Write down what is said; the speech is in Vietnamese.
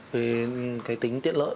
về cái tính tiện lợi